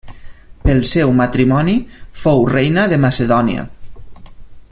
Pel seu matrimoni fou reina de Macedònia.